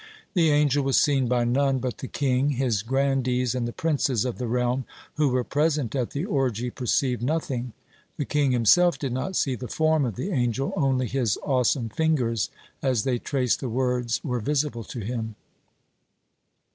The angel was seen by none but the king. His grandees and the princes of the realm who were present at the orgy perceived nothing. The king himself did not see the form of the angel, only his awesome fingers as they traced the words were visible to him.